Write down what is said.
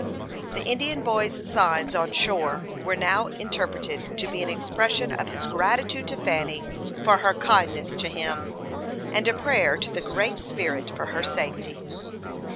The Indian boy's signs on shore were now interpreted to be an expression of his gratitude to Fanny for her kindness to him, and a prayer to the Great Spirit for her safety.